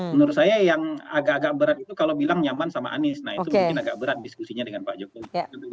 menurut saya yang agak agak berat itu kalau bilang nyaman sama anies nah itu mungkin agak berat diskusinya dengan pak jokowi